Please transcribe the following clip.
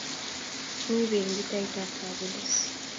mi benki taitab kapolis